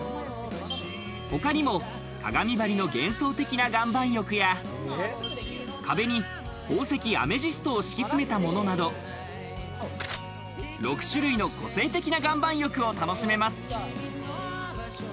他にも鏡ばりの幻想的な岩盤浴や、壁に宝石アメジストを敷き詰めたものなど、６種類の個性的な岩盤浴を楽しめます。